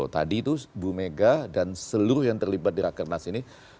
tadi tuh bu mega dan seluruh yang terlibat di rakyat nas ini